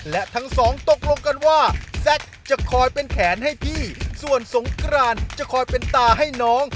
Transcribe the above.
และทั้งสองตกลงกันว่าแซ็กจะคอยเป็นแขนให้พี่ส่วนสงกรานจะคอยเป็นตาให้น้อง